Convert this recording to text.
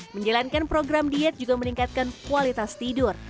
menjalankan program diet juga meningkatkan kualitas tidur